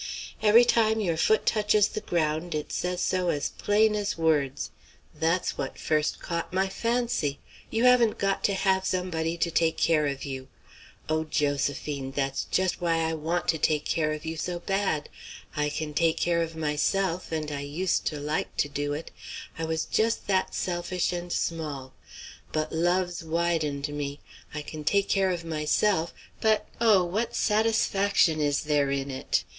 Every time your foot touches the ground it says so as plain as words. That's what first caught my fancy. You haven't got to have somebody to take care of you. O Josephine! that's just why I want to take care of you so bad! I can take care of myself, and I used to like to do it; I was just that selfish and small; but love's widened me. I can take care of myself; but, oh! what satisfaction is there in it?